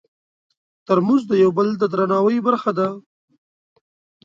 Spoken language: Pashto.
ترموز د یو بل د درناوي برخه ده.